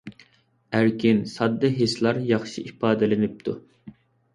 ئەركىن، ساددا ھېسلار ياخشى ئىپادىلىنىپتۇ!